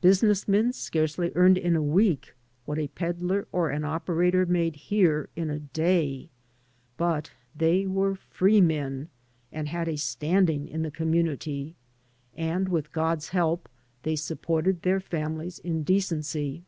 Business men scarcely earned in a week what a peddler or an operator made here in a day, but they were free men and had a standing in the community, and with God's help they supported their families in decency.